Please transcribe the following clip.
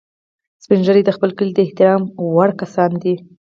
سپین ږیری د خپل کلي د احترام وړ کسان دي